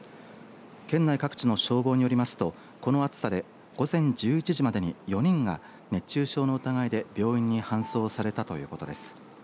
県内各地の消防によりますとこの暑さで午前１１時までに４人が熱中症の疑いで病院に搬送されたということです。